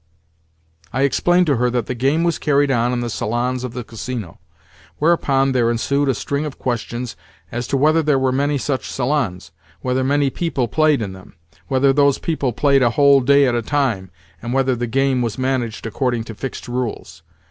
I explained to her that the game was carried on in the salons of the Casino; whereupon there ensued a string of questions as to whether there were many such salons, whether many people played in them, whether those people played a whole day at a time, and whether the game was managed according to fixed rules.